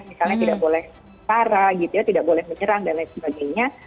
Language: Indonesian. misalnya tidak boleh parah gitu ya tidak boleh menyerang dan lain sebagainya